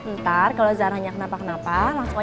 ntar kalau zaranya kenapa kenapa